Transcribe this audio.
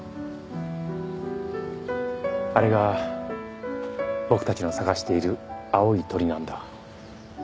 「あれが僕たちの探している青い鳥なんだ」。